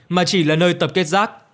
mà chỉ là nơi tập kết rác